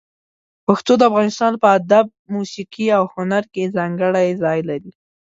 پښتو د افغانستان په ادب، موسيقي او هنر کې ځانګړی ځای لري.